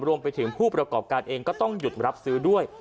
รวมไปถึงผู้ประกอบการเองก็ต้องหยุดรับซื้อด้วย